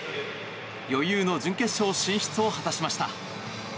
余裕の準決勝進出を果たしました。